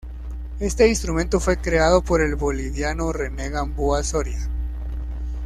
Este instrumento fue creado por el boliviano Rene Gamboa Soria.